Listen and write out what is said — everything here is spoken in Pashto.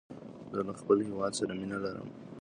زه له خپل هیواد سره مینه لرم.